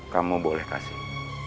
kamu boleh kasih